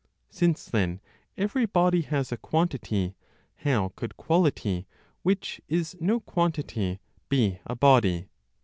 Since then every body has a quantity, how could quality, which is no quantity, be a body?